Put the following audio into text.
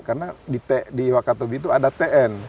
karena di wakatobi itu ada tn